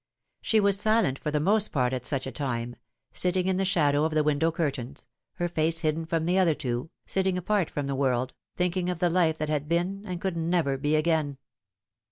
She was silent for the most part at such a time, sitting in the shadow of the window curtains, her face hidden from the other two, sitting apart from the world, thinking of the life that had been and could never be again.